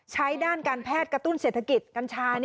ด้านการแพทย์กระตุ้นเศรษฐกิจกัญชา